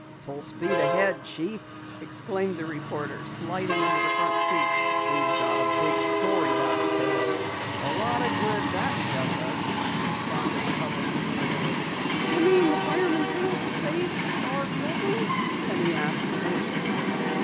"Full speed ahead, Chief!" exclaimed the reporter, sliding into the front seat. "We've got a big story by the tail!" "A lot of good it does us," responded the publisher gloomily. "You mean the firemen failed to save the Star building?" Penny asked anxiously.